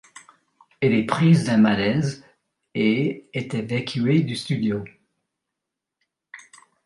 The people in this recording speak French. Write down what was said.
Elle est prise d'un malaise et est évacuée du studio.